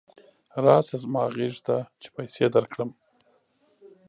راشه زما غېږې ته چې پیسې درکړم.